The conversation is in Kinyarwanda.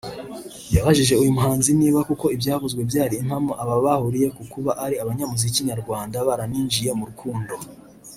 yabajije uyu muhanzi niba koko ibyavuzwe byari impamo aba bahuriye ku kuba ari abanyamuziki nyarwanda baraninjiye mu rukundo